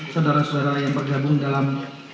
saudara saudara yang bergabung dalam